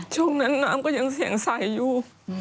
ช่วงนั้นน้ำก็ยังเสียงใสอยู่